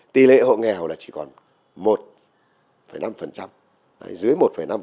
tỷ lệ hộ nghèo là chỉ còn một năm dưới một năm